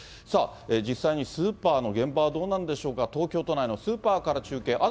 さあ、実際にスーパーの現場はどうなんでしょうか、東京都内のスーパーから中継。